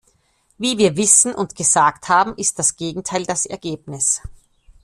Wie wir wissen und gesagt haben, ist das Gegenteil das Ergebnis.